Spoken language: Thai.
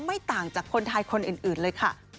ไม่ต่างจากคนไทยคนอื่นเลยค่ะ